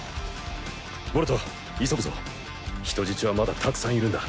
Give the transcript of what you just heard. ボルト急ぐぞ人質はまだたくさんいるんだ。